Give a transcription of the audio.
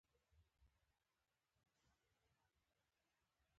د اسلام لومړي لاس منابع له تجدیده بې نیازه ګڼي.